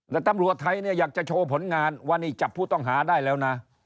แต่ตำรวจไทยเนี่ยอยากจะโชว์ผลงานว่านี่จับผู้ต้องหาได้แล้วนะ